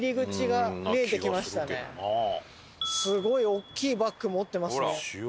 すごい大きいバッグ持ってますね。